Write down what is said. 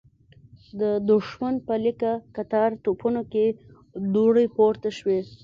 د دښمن په ليکه کتار توپونو کې دوړې پورته شوې.